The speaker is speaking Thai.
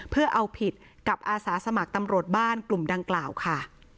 เพื่อเอาผิดกับอาสาสมัครตำรวจบ้านกลุ่มดังกล่าวค่ะ